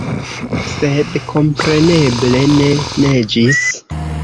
Sed kompreneble ne neĝis.